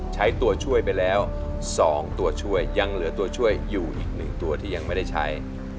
ใช้ตัวช่วยไปแล้ว๒ตัวช่วยยังเหลือตัวช่วยอยู่อีก๑ตัวที่ยังไม่ได้ใช้